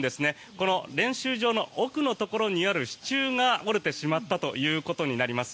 この練習場の奥のところにある支柱が折れてしまったということになります。